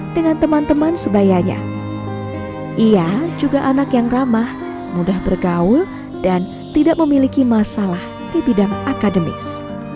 dengan teman teman sebayanya ia juga anak yang ramah mudah bergaul dan tidak memiliki masalah di bidang akademis